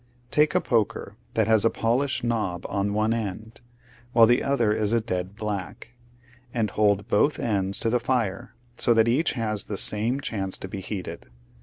Take a poker that has a polished knob on one end, while the other is a dead black, and hold both ends to the fire so that each has the same chance to be heated.